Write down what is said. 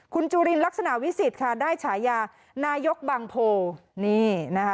คุณจุลินลักษณะวิสิทธิ์ค่ะได้ฉายานายกบางโพนี่นะคะ